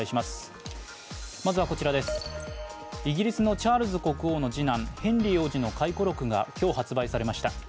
イギリスのチャールズ国王の次男・ヘンリー王子の回顧録が今日、発売されました。